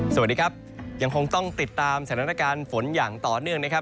สวัสดีครับยังคงต้องติดตามสถานการณ์ฝนอย่างต่อเนื่องนะครับ